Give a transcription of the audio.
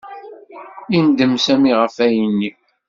Yendem Sami ɣef wayen-nni.